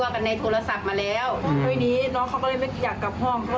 เขาก็เปิดประตูเข้ามาแล้วเขาก็เตะที่หน้า